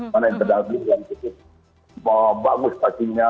mana yang terdamping yang sedikit bagus passion nya